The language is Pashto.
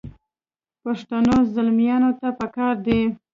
پښتنو زلمیانو ته پکار دي.